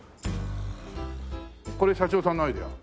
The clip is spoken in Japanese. これ社長さんのアイデア？